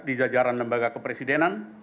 di jajaran lembaga kepresidenan